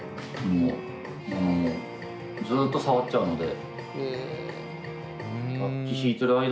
ずっと触っちゃうので。